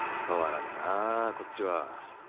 変わらんなあこっちは。